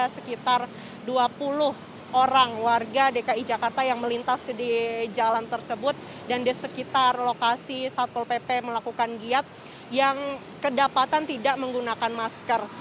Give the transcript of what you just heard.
sekitar dua puluh orang warga dki jakarta yang melintas di jalan tersebut dan di sekitar lokasi satpol pp melakukan giat yang kedapatan tidak menggunakan masker